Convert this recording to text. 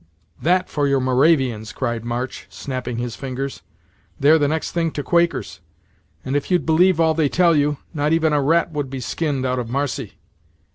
"That for your Moravians!" cried March, snapping his fingers; "they're the next thing to Quakers; and if you'd believe all they tell you, not even a 'rat would be skinned, out of marcy.